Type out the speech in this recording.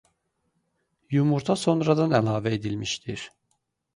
Yumurta sonradan əlavə edilmişdir.